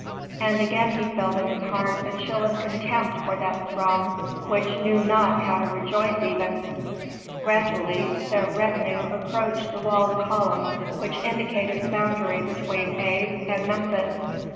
And again he felt in his heart a chill of contempt for that throng which knew not how to rejoice even. Gradually the retinue approached the walled column which indicated the boundary between Aa and Memphis.